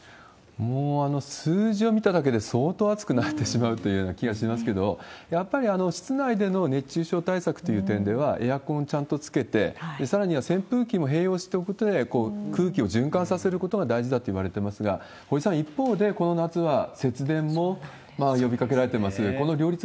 もう、数字を見ただけで相当暑くなってしまうというような気がしますけど、やっぱり室内での熱中症対策という点では、エアコンをちゃんとつけて、さらには扇風機も併用していくことで、空気を循環させることが大事だっていわれてますが、堀さん、一方で、この夏は節電も呼びかけられてます。